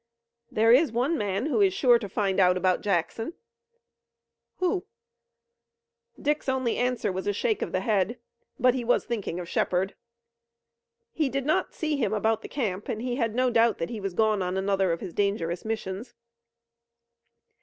"There is one man who is sure to find out about Jackson." "Who?" Dick's only answer was a shake of the head. But he was thinking of Shepard. He did not see him about the camp, and he had no doubt that he was gone on another of his dangerous missions.